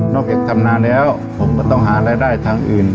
จากทำนาแล้วผมก็ต้องหารายได้ทางอื่น